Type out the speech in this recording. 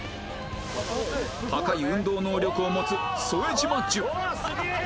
高い運動能力を持つ副島淳